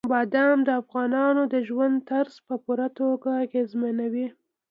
بادام د افغانانو د ژوند طرز په پوره توګه اغېزمنوي.